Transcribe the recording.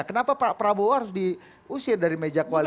kenapa pak prabowo harus diusir dari meja koalisi